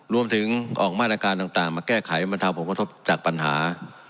รวมถึงออกมาตรการต่างมาแก้ไขมันทำผลกระทบจากปัญหา